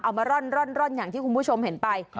มาร่อนอย่างที่คุณผู้ชมเห็นไป